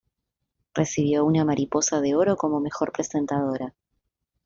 Recibió una Mariposa de Oro como Mejor Presentadora.